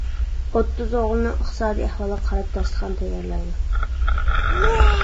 ئوتتۇز ئوغۇلنىڭ ئىقتىسادىي ئەھۋالىغا قاراپ داستىخان تەييارلايدۇ.